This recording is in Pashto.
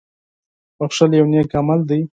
• بښل یو نېک عمل دی.